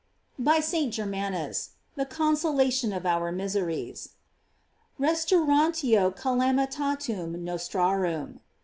"J By St. Germanus: The consolation of our miseries: "Restauratio ealamitatum nostrarum."